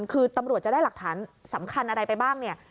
คือตำรวจจะได้หลักฐานสำคัญอะไรไปบ้างเนี่ย